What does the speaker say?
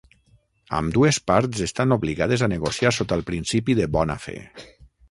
Ambdues parts estan obligades a negociar sota el principi de bona fe.